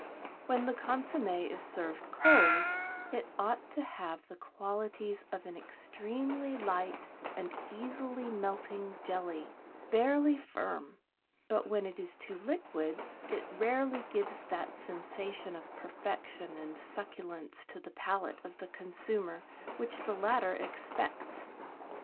When the consomm^ is served cold it ought to have the qualities of an extremely light and easily melting jelly, barely firm; but when it is too liquid, it rarely gives that sensation of perfection and succulence to the palate of the consumer which the latter expects.